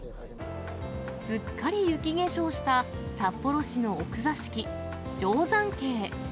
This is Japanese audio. すっかり雪化粧した札幌市の奥座敷、定山渓。